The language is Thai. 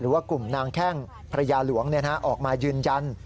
ว่ากลุ่มนางแข้งภรรยาหลวงออกมายืนยัน